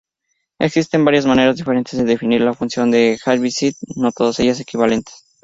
Existen varias maneras diferentes de definir la función de Heaviside, no todas ellas equivalentes.